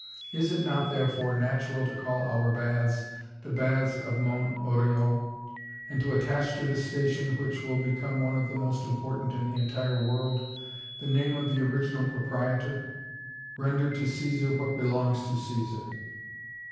Is it not, therefore, natural to call our baths the Baths of Mont Oriol, and to attach to this station, which will become one of the most important in the entire world, the name of the original proprietor? Render to Cæsar what belongs to Cæsar.